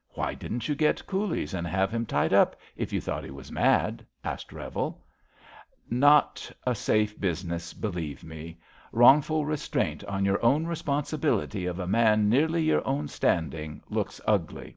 ''^* Why didn't you get coolies and have him tied up, if you thought he was madf ^^ asked Revel. Not a safe business, believe me. Wrongful restraint on your own responsibility of a man nearly your own standing looks ugly.